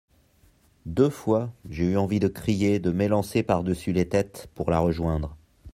Deux fois, j'ai eu envie de crier, de m'élancer par-dessus les têtes, pour la rejoindre.